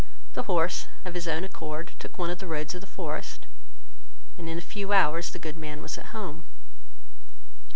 The horse, of his own accord, took one of the roads of the forest; and in a few hours the good man was at home.